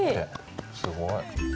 すごい。